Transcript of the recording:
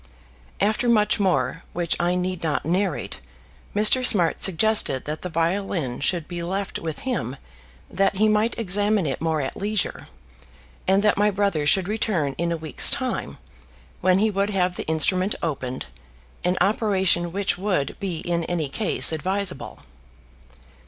'" After much more, which I need not narrate, Mr. Smart suggested that the violin should be left with him that he might examine it more at leisure, and that my brother should return in a week's time, when he would have the instrument opened, an operation which would be in any case advisable.